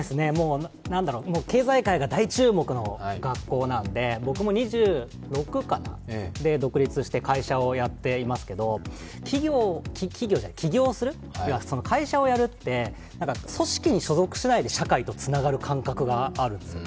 経済界が大注目の学校なんで、僕も２６で独立して会社をやっていますけど起業する、会社をやるって組織に所属しないで社会につながる感覚があるんですよ。